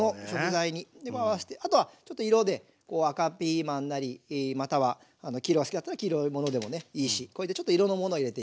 あとはちょっと色で赤ピーマンなりまたは黄色が好きだったら黄色いものでもいいしこれでちょっと色のものを入れていきましょう。